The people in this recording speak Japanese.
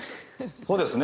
そうですね。